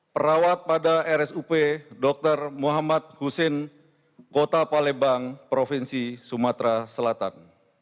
perawat pada rsup dr muhammad husin kota palembang provinsi sumatera selatan